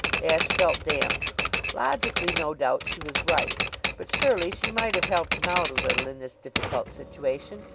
Ashe felt damped. Logically, no doubt, she was right; but surely she might have helped him out a little in this difficult situation.